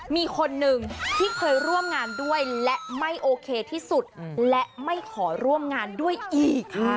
มีคนหนึ่งที่เคยร่วมงานด้วยและไม่โอเคที่สุดและไม่ขอร่วมงานด้วยอีกค่ะ